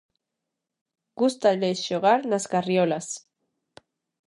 Gústalles xogar nas carriolas.